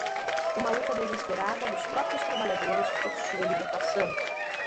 uma luta desesperada dos próprios trabalhadores por sua libertação